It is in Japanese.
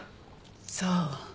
そう。